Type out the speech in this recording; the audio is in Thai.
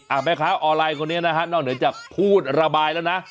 แม่ค้าออนไลน์คนนี้นะฮะนอกเหนือจากพูดระบายแล้วนะ